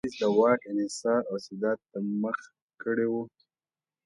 چارلېز د واک انحصار او استبداد ته مخه کړې وه.